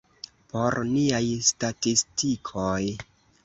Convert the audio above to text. Por niaj statistikoj.